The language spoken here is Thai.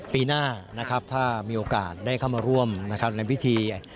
ปีหน้านะครับถ้ามีโอกาสได้เข้ามาร่วมในพิธี